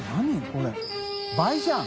これ倍じゃん。